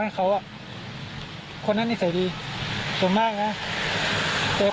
หรือถ้าเป็นคนที่อยู่นี่ประจำที่เราก็รู้จัก